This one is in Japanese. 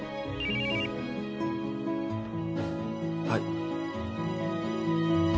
はい。